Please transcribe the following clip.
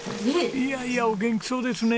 いやいやお元気そうですね。